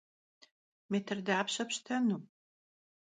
Mêtr dapşe pştenu?